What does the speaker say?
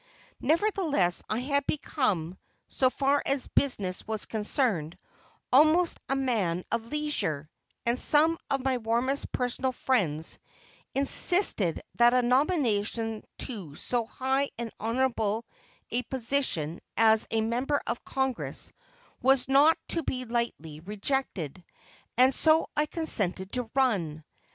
Nevertheless, I had become, so far as business was concerned, almost a man of leisure; and some of my warmest personal friends insisted that a nomination to so high and honorable a position as a member of Congress, was not to be lightly rejected, and so I consented to run.